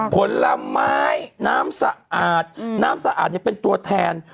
ผลไม้น้ำสะอาดน้ำสะอาดเป็นตัวแทน